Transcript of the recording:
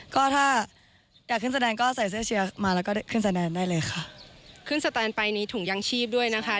ก็ถ้าอยากขึ้นแสนต์ก็ใส่เสื้อเชียร์มาแล้วขึ้นแสนแนนได้เลยค่ะ